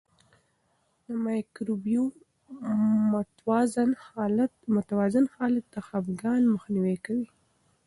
د مایکروبیوم متوازن حالت د خپګان مخنیوی کوي.